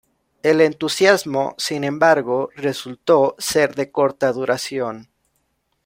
El entusiasmo, sin embargo, resultó ser de corta duración.